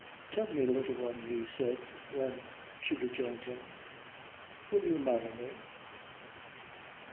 "Tell me, Little One," he said when she rejoined him, "will you marry me?"